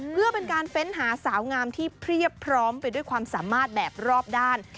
เพื่อเป็นการเฟ้นหาสาวงามที่เพรียบพร้อมไปด้วยความสามารถแบบรอบด้าน